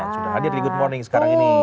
sudah hadir di good morning sekarang ini